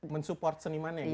men support senimannya gitu kan